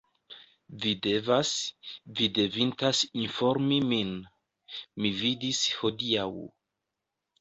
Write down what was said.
Vi devas, vi devintas informi min. Mi vidis hodiaŭ.